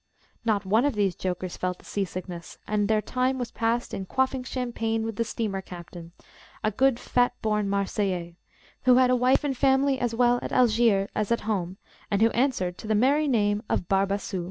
Not one of these jokers felt the sea sickness, and their time was passed in quaffing champagne with the steamer captain, a good fat born Marseillais, who had a wife and family as well at Algiers as at home, and who answered to the merry name of Barbassou.